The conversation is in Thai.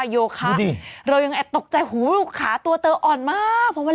เออเข้าใจก็ได้